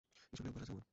এসবের অভ্যাস আছে আমার।